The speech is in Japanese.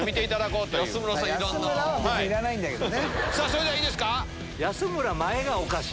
それではいいですか？